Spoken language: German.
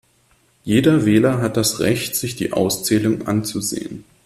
Jeder Wähler hat das Recht, sich die Auszählung anzusehen.